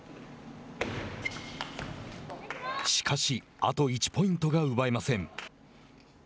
しかし、あと１ポイントが奪えません。